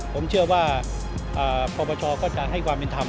ผมเชื่อว่าปปชก็จะให้ความเป็นธรรม